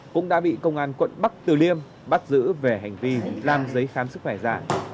cũng đã bị công an quận bắc từ liêm bắt giữ về hành vi làm giấy khám sức khỏe giả